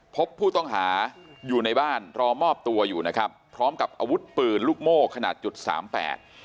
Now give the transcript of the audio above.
พบผู้ต้องหาอยู่ในบ้านรอมอบตัวอยู่นะครับพร้อมกับอาวุธปืนลูกโม่ขนาดจุดสามแปด